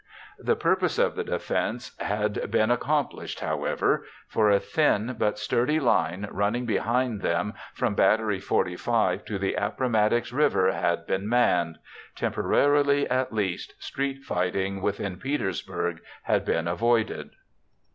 The purpose of the defense had been accomplished, however, for a thin but sturdy line running behind them from Battery 45 to the Appomattox River had been manned. Temporarily, at least, street fighting within Petersburg had been avoided.